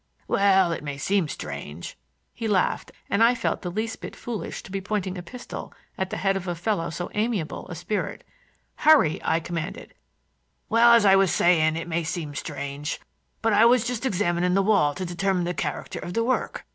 "Well, it may seem strange,"—he laughed, and I felt the least bit foolish to be pointing a pistol at the head of a fellow of so amiable a spirit. "Hurry," I commanded. "Well, as I was saying, it may seem strange; but I was just examining the wall to determine the character of the work.